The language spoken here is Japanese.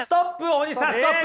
大西さんストップ。